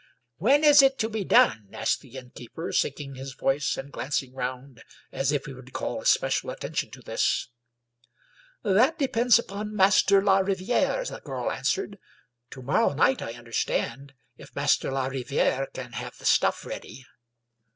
" When is it to be done?" asked the innkeeper, sinking his voice and glancing round, as if he would call especial attention to this. 149 English Mystery Stories "That depends upon Master la Riviere," the girl an swered. " To morrow night, I understand, if Master la Riviere can have the stuff ready."